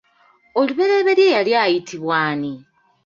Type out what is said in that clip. Olubereberye yali ayitibwa ani?